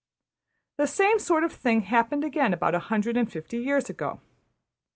The same sort of thing happened again about a hundred and fifty years ago.